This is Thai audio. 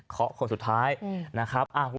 คนสุดท้ายนะครับ